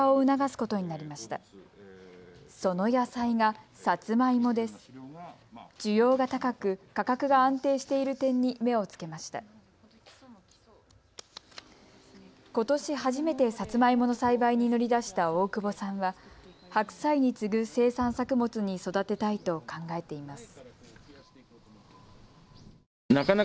ことし初めてさつまいもの栽培に乗り出した大久保さんは白菜に次ぐ生産作物に育てたいと考えています。